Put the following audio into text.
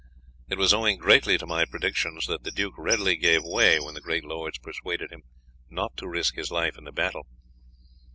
It was owing greatly to my predictions that the duke readily gave way when the great lords persuaded him not to risk his life in the battle.